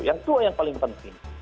yang tua yang paling penting